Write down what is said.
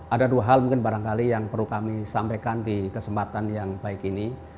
ada dua hal mungkin barangkali yang perlu kami sampaikan di kesempatan yang baik ini